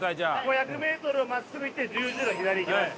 ５００メートル真っすぐ行って十字路を左に行きます。